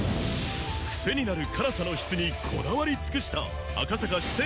クセになる辛さの質にこだわり尽くした赤坂四川